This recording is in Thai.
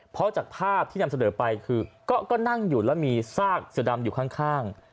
เพราะจากภาพที่นำเสนอไปคือก็นั่งอยู่แล้วมีซากเสือดำอยู่ข้าง